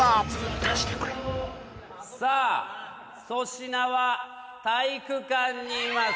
さあ粗品は体育館にいます。